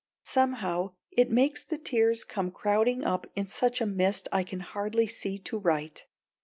Somehow it makes the tears come crowding up in such a mist I can hardly see to write.